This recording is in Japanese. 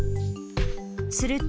すると、